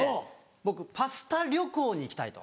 僕「パスタ旅行に行きたい」と。